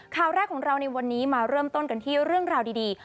ข่าวแรกของเราในวันนี้มาเริ่มต้นกันที่เรื่องราวดี